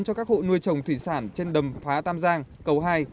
cho các hộ nuôi trồng thủy sản trên đầm phá tam giang cầu hai